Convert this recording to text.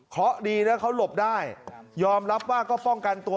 เพราะดีนะเขาหลบได้ยอมรับว่าก็ป้องกันตัว